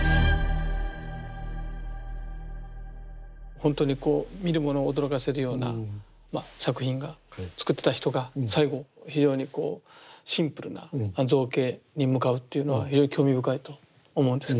ほんとにこう見る者を驚かせるような作品が作ってた人が最後非常にこうシンプルな造形に向かうっていうのは非常に興味深いと思うんです。